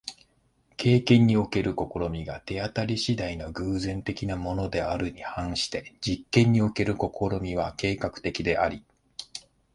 経験における試みが手当り次第の偶然的なものであるに反して、実験における試みは計画的であり、